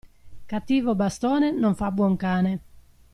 Cattivo bastone non fa buon cane.